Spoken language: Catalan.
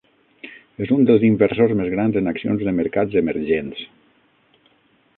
És un dels inversors més grans en accions de mercats emergents.